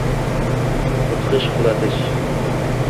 Mudhish qulatish